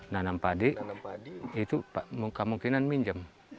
nanam padi itu kemungkinan minjem